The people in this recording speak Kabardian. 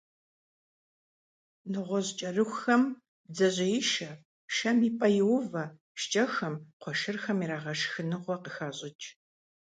НэгъуэщӀ кӀэрыхухэм «бдзэжьеишэ», шэм и пӀэ иувэ, шкӀэхэм, кхъуэшырхэм ирагъэшх шхыныгъуэ къыхащӀыкӀ.